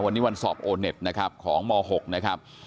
วันนี้วันสอบโอเน็ตนะครับของม๖นะครับ